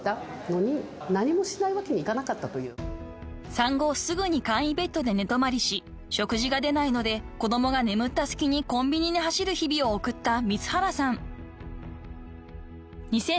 ［産後すぐに簡易ベッドで寝泊まりし食事が出ないので子供が眠った隙にコンビニに走る日々を送った光原さん］